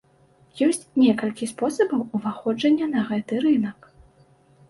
Ёсць некалькі спосабаў уваходжання на гэты рынак.